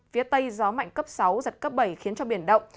phía tây gió mạnh cấp sáu giật cấp bảy khiến cho biển động